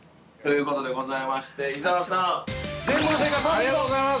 ◆ありがとうございます。